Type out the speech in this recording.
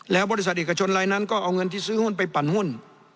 แล้วบริษัทเอกชนรายนั้นก็เอาเงินที่ซื้อหุ้นไปปั่นหุ้น